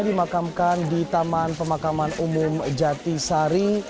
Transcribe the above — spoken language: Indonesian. dimakamkan di taman pemakaman umum jatisari